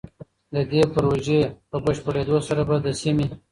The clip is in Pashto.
د دې پروژې په بشپړېدو سره به د سيمې